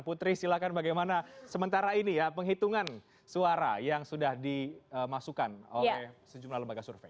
putri silakan bagaimana sementara ini ya penghitungan suara yang sudah dimasukkan oleh sejumlah lembaga survei